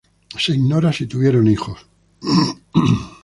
Se ignora si tuvieron hijos.